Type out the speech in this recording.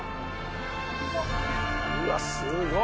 うわすごい。